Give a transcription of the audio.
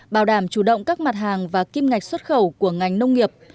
bảo đảm chủ động các mặt hàng và kim ngạch xuất khẩu của ngành nông nghiệp